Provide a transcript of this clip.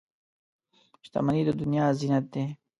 • شتمني د دنیا زینت دی.